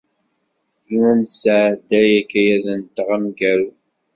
La nesɛedday akayad-nteɣ ameggaru.